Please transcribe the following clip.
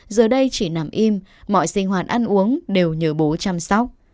giờ đây chỉ nằm im mọi sinh hoạt ăn uống đều nhờ bố chăm sóc